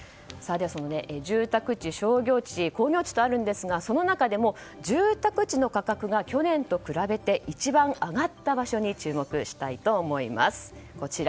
住宅地、商業地、工業地とあるんですがその中でも住宅地の価格が去年と比べて一番上がった場所に注目したいと思います。